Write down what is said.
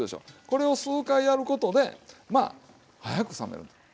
これを数回やることで早く冷めるというね。